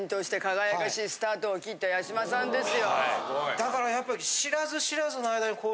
だからやっぱり。